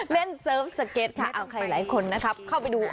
เซิร์ฟสเก็ตค่ะเอาใครหลายคนนะครับเข้าไปดู